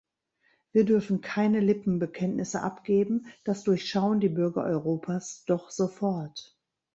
Wir dürfen keine Lippenbekenntnisse abgeben das durchschauen die Bürger Europas doch sofort.